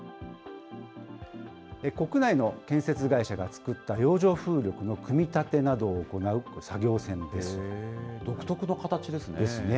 国内の建設会社が造った洋上風力の組み立てなどを行う作業船です。ですね。